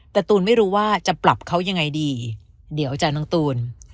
แต่ตูนไม่รู้ว่าจะปรับเขายังไงดีเดี๋ยวจ้ะน้องตูน